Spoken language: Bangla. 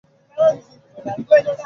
বাবাকে দেখতে তো দারুণ লাগছে!